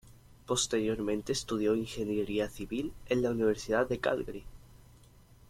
Posteriormente estudió ingeniería civil en la Universidad de Calgary.